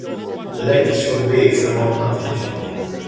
Light est surdoué et extrêmement intelligent.